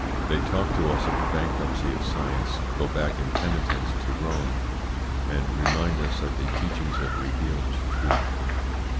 They talk to us of the bankruptcy of science, go back in penitence to Rome, and remind us of the teachings of revealed truth.